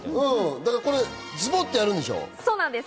ズボってやるんでしょ？